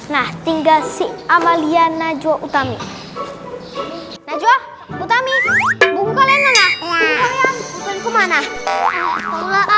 nah tinggal si amalia najwa utami najwa utami bunga bunga yang mana mana